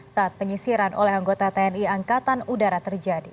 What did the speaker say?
saat penyisiran oleh anggota tni angkatan udara terjadi